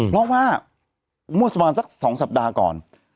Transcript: เพราะว่ามั่วสมันสัก๒สัปดาห์ก่อน